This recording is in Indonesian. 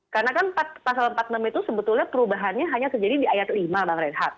karena kan pasal empat puluh enam itu sebetulnya perubahannya hanya terjadi di ayat lima bang reinhardt